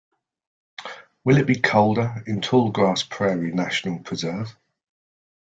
Will it be colder in Tallgrass Prairie National Preserve?